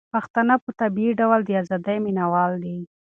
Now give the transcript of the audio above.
پښتانه په طبيعي ډول د ازادۍ مينه وال دي.